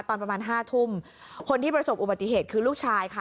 ตอนประมาณห้าทุ่มคนที่ประสบอุบัติเหตุคือลูกชายค่ะ